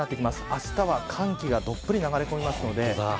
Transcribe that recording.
あしたは寒気がどっぷり流れ込みます。